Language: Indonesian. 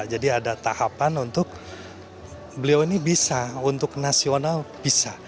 jadi ada tahapan untuk beliau ini bisa untuk nasional bisa